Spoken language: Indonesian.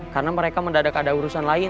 karena mereka mendadak ada urusan lain